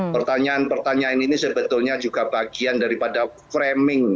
pertanyaan pertanyaan ini sebetulnya juga bagian daripada framing